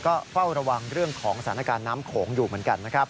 ก็เฝ้าระวังเรื่องของสถานการณ์น้ำโขงอยู่เหมือนกันนะครับ